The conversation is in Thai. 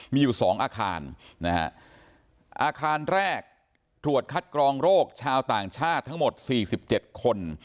มีอยู่๒อาคารนะฮะอาคารแรกตรวจคัดกรองโรคชาวต่างชาติทั้งหมด๔๗คน